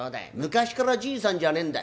昔からじいさんじゃねえんだ。